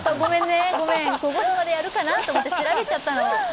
「ゴゴスマ」でやるかなと思って調べちゃったの。